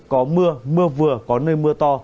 có mưa mưa vừa có nơi mưa to